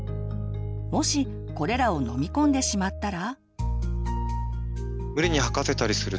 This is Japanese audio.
もしこれらを飲み込んでしまったら？